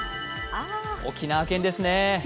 沖縄県ですね。